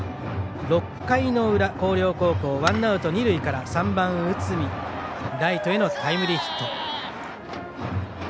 ６回の裏、広陵高校ワンアウト二塁から３番、内海がライトへのタイムリーヒット。